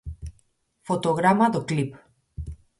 Fotograma do clip.